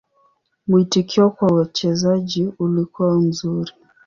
Mwitikio kwa uchezaji ulikuwa mzuri.